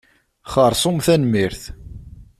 Xeṛṣum tanemmirt.